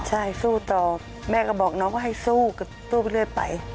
ใช่สู้ต่อแม่ก็บอกน้องว่าให้สู้ก็ต้องสู้ไปเรื่อยไป